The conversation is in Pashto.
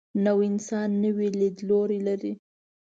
نوی انسان نوی لیدلوری لري